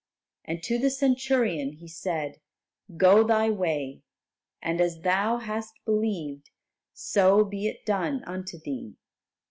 And to the Centurion He said, "Go thy way; and as thou hast believed, so be it done unto thee."